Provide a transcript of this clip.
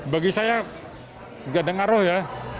bagi saya nggak dengar loh ya